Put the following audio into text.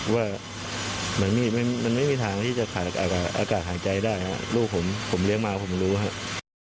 ว่ามันไม่มีทางที่จะขาดอากาศหายใจได้ครับลูกผมผมเลี้ยงมาผมรู้ครับ